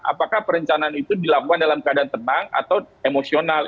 apakah perencanaan itu dilakukan dalam keadaan tenang atau emosional